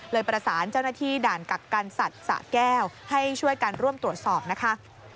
ประสานเจ้าหน้าที่ด่านกักกันสัตว์สะแก้วให้ช่วยกันร่วมตรวจสอบนะคะ